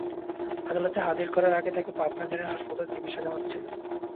আদালতে হাজির করার আগে তাঁকে পাবনা জেনারেল হাসপাতালে চিকিৎসা দেওয়া হচ্ছিল।